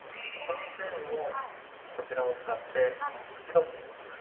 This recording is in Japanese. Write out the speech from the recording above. この線をこちらを使って縁取っていきます。